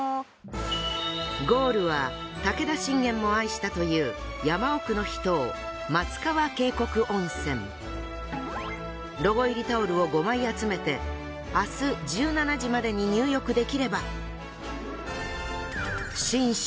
ゴールは武田信玄も愛したという山奥の秘湯ロゴ入りタオルを５枚集めて明日１７時までに入浴できれば。